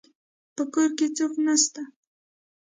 په کور کي څوک نسته